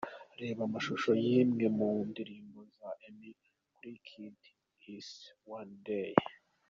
Reba amashusho y'imwe mu ndirimbo za Emmy Kul Kid yise 'One day'.